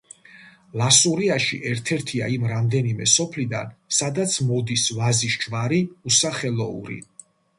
ლასურიაში ერთ-ერთია იმ რამდენიმე სოფლიდან, სადაც მოდის ვაზის ჯიში უსახელოური.